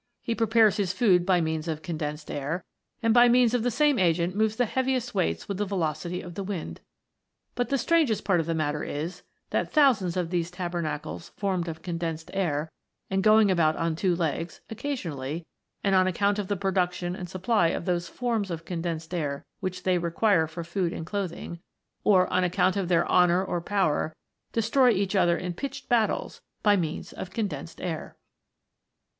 He prepares his food by means of condensed air, and by means of the same agent moves the heaviest weights with the velocity of the wind. But the strangest part of the matter is, that thou sands of these tabernacles formed of condensed air, and going upon two legs, occasionally, and on ac count of the production and supply of those forms of condensed air which they require for food and clothing, or on account of their honour and power, destroy each other in pitched battles by means of condensed air."